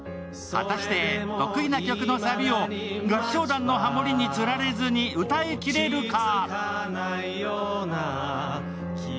果たして得意な曲のサビを合唱団のハモリにつられずに歌い切れるか？